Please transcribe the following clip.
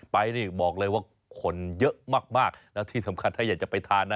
ไปนี่บอกเลยว่าคนเยอะมากแล้วที่สำคัญถ้าอยากจะไปทานนะ